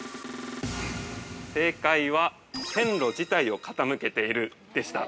◆正解は線路自体を傾けているでした。